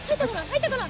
入ったかな？